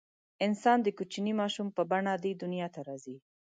انسان د کوچني ماشوم په بڼه دې دنیا ته راځي.